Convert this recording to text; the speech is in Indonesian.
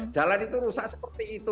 jalan itu rusak seperti itu